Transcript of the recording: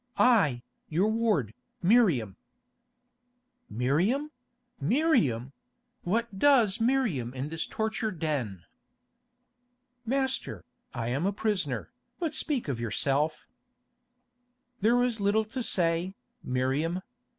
"I, your ward, Miriam." "Miriam! Miriam! What does Miriam in this torture den?" "Master, I am a prisoner. But speak of yourself." "There is little to say, Miriam.